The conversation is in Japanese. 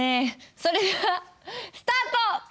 それではスタート！